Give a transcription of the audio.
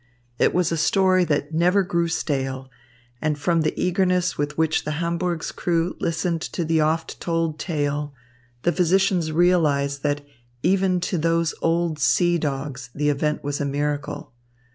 It was a story that never grew stale, and from the eagerness with which the Hamburg's crew listened to the oft told tale, the physicians realised that even to those old sea dogs the event was a miracle.